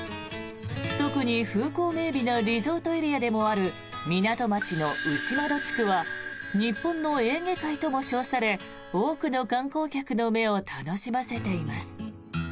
特に風光明媚なリゾートエリアでもある港町の牛窓地区は日本のエーゲ海とも称され多くの観光客の目を楽しませています。